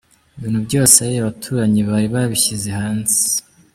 Ibintu byose abaturanyi bari babishyize hanze.